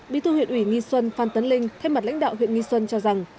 bí thư huyện ủy nghi xuân phan tấn linh thay mặt lãnh đạo huyện nghi xuân cho rằng